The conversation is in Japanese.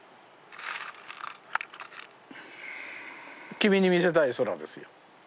君に見せたい空ですよ。